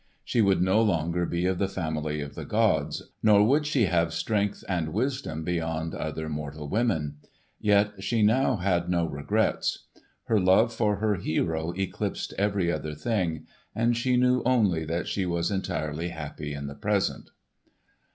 She would no longer be of the family of the gods, nor would she have strength and wisdom beyond other mortal women. Yet she now had no regrets. Her love for her hero eclipsed every other thing, and she knew only that she was entirely happy in the present.